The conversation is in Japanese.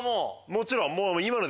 もちろん。